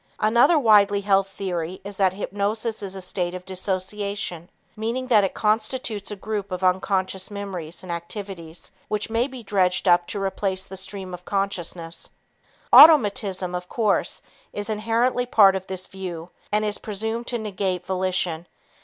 Another widely held theory is that hypnosis is a state of dissociation, meaning that it constitutes a group of unconscious memories and activities which may be dredged up to replace the stream of consciousness. Automaticism, of course, is inherently part of this view, and is presumed to negate volition.